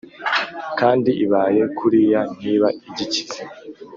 kandi ibaye kuriya ntiba igikize